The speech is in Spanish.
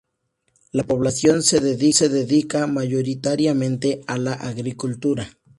La población se dedica mayoritariamente a la agricultura.